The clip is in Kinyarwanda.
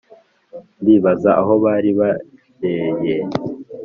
ndibaza aho bari bajyeye